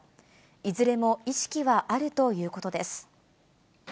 いずれも意識はあるということです。